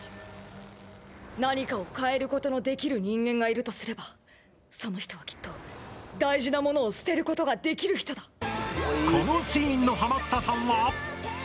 何かを変えることのできる人間がいるとすればその人は、きっと大事なものを捨てることができる人だ。